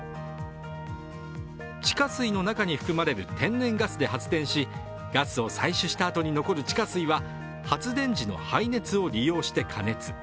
地下水の中に含まれる天然ガスで発電しガスを採取したあとに残る地下水は発電時の排熱を利用して加熱。